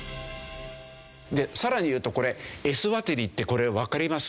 でさらに言うとこれエスワティニってわかります？